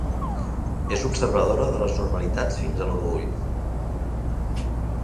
És observadora de les normalitats fins a l'orgull